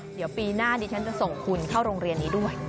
เดี๋ยวปีหน้าดิฉันจะส่งคุณเข้าโรงเรียนนี้ด้วย